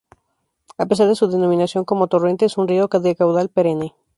A pesar de su denominación como "torrente", es un río de caudal perenne.